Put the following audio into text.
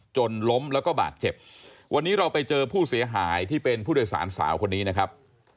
จนล้มแล้วก็บาดเจ็บวันนี้เราไปเจอผู้เสียหายที่เป็นผู้โดยสารสาวคนนี้นะครับ